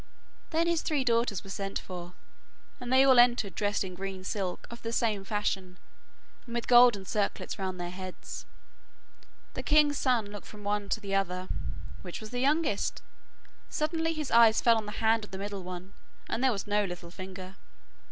Then his three daughters were sent for, and they all entered dressed in green silk of the same fashion, and with golden circlets round their heads. The king's son looked from one to another. Which was the youngest? Suddenly his eyes fell on the hand of the middle one, and there was no little finger.